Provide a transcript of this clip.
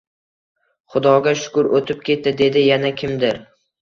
Xudoga shukr o‘tib ketdi dedi yana kimdir.